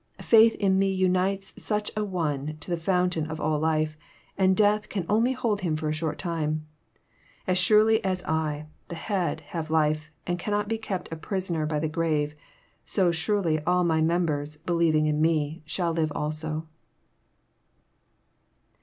Faith in Me unites such an one to the Fountain of all life, and death can only hold him for a short time. As sure ly as I, the Head, have life, and cannot be kept a prisoner by the grave, so surely all my members, believing in Me, shall live also."